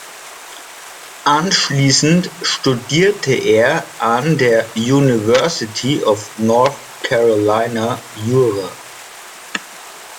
Anschließend studierte er an der University of North Carolina Jura.